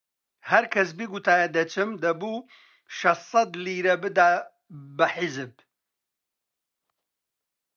هەر کەس بیگوتایە دەچم، دەبوو شەشسەد لیرە بدا بە حیزب